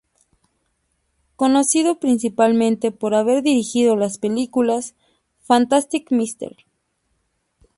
Conocido principalmente por haber dirigido las películas: "Fantastic Mr.